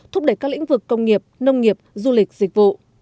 thúc đẩy các lĩnh vực công nghiệp nông nghiệp du lịch dịch vụ